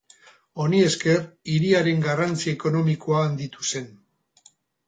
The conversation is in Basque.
Honi esker, hiriaren garrantzi ekonomikoa handitu zen.